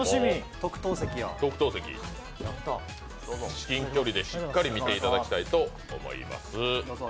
至近距離でしっかり見ていただきたいと思います。